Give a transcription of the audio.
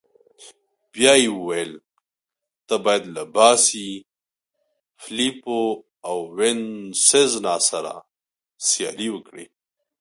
بیا يې وویل: ته باید له باسي، فلیپو او وینسزنا سره سیالي وکړې.